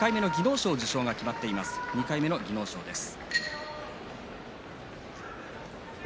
２回目の技能賞です。